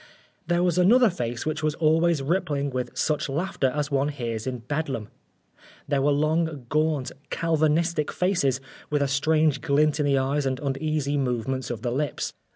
There was another face which was always rippling with such laughter as one hears in Bedlam. There were long, gaunt, Calvinistic faces, with a strange glint in the eyes and uneasy movements of the lips.